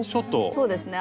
そうですね